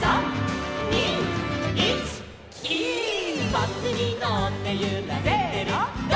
「バスにのってゆられてる」せの！